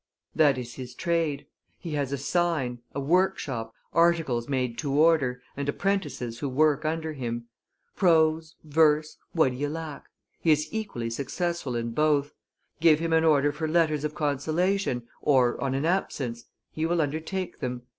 That is his trade; he has a sign, a workshop, articles made to order, and apprentices who work under him. Prose, verse, what d'ye lack? He is equally successful in both. Give him an order for letters of consolation, or on an absence; he will undertake them.